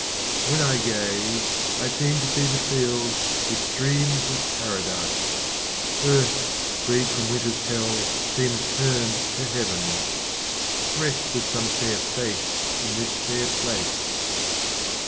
When I gaze, I seem to see the fields, the streams of Paradise. Earth, freed from winter's hell, seems turned to heaven. Rest with some fair face in this fair place.